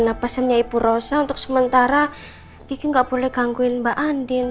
nah pesannya ibu rosa untuk sementara kiki nggak boleh gangguin mbak andin